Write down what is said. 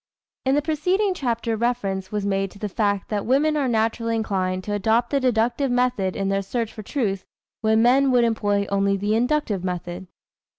" In the preceding chapter reference was made to the fact that women are naturally inclined to adopt the deductive method in their search for truth when men would employ only the inductive method.